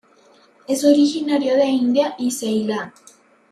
Es originario de India y Ceilán.